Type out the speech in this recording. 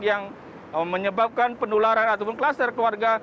yang menyebabkan penularan ataupun kluster keluarga